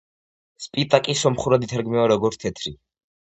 სპიტაკი სომხურად ითარგმნება როგორც „თეთრი“.